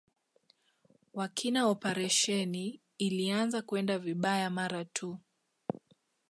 wa kina operesheni ilianza kwenda vibayaa mara tu